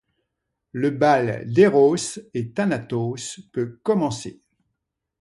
Le bal d'éros et thanatos peut commencer.